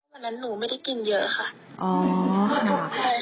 วันนั้นหนูไม่ได้กินเยอะค่ะ